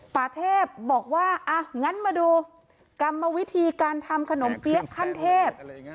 ป่าเทพบอกว่าอ่ะงั้นมาดูกรรมวิธีการทำขนมเปี๊ยะขั้นเทพ